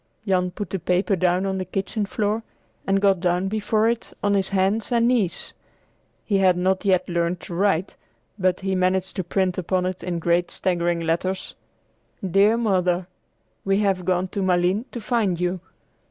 Jan put the paper down on the kitchen floor and got down before it on his hands and knees. He had not yet learned to write, but he managed to print upon it in great staggering letters: "DEAR MOTHER WE HAVE GONE TO MALINES TO FIND YOU.